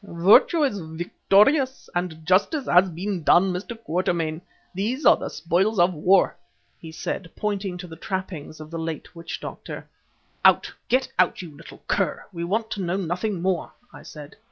"Virtue is victorious and justice has been done, Mr. Quatermain. These are the spoils of war," he said, pointing to the trappings of the late witch doctor. "Oh! get out, you little cur! We want to know nothing more," I said.